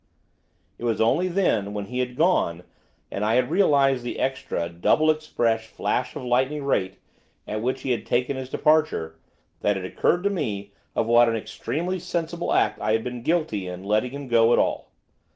It was only then, when he had gone, and I had realised the extra double express flash of lightning rate at which he had taken his departure that it occurred to me of what an extremely sensible act I had been guilty in letting him go at all.